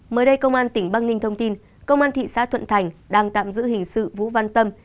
mới đây công an tỉnh băng ninh thông tin công an thị xã thuận thành đang tạm giữ hình sự vũ văn tâm